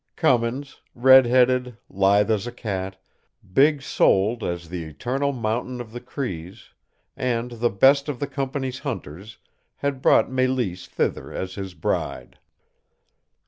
Cummins, red headed, lithe as a cat, big souled as the eternal mountain of the Crees, and the best of the company's hunters, had brought Mélisse thither as his bride.